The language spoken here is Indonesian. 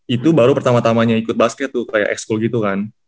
itu baru pertama tamanya ikut basket tuh kayak exco gitu kan